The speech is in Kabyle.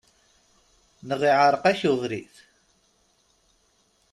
Neɣ iɛereq-ak ubrid!